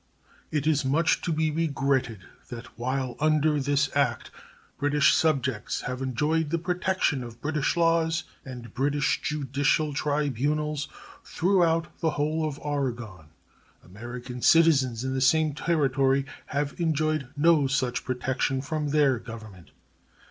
It is much to be regretted that while under this act British subjects have enjoyed the protection of British laws and British judicial tribunals throughout the whole of Oregon, American citizens in the same Territory have enjoyed no such protection from their Government.